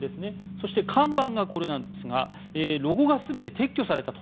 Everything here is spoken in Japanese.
そして、看板がこれなんですがロゴが全て撤去されたと。